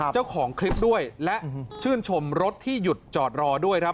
เจ้าของคลิปด้วยและชื่นชมรถที่หยุดจอดรอด้วยครับ